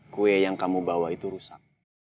kue yang kamu bawa itu rusak